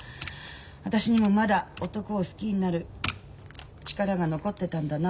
私にもまだ男を好きになる力が残ってたんだなと思ってさ。